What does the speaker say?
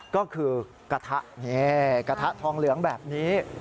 ก็คือกะถะนี่กะถะทองเหลืองแบบนี้